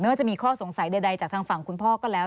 ว่าจะมีข้อสงสัยใดจากทางฝั่งคุณพ่อก็แล้ว